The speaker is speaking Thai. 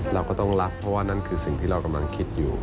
เราก็ต้องรับเพราะว่านั่นคือสิ่งที่เรากำลังคิดอยู่